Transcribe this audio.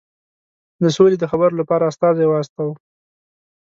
د سولي د خبرو لپاره استازی واستاوه.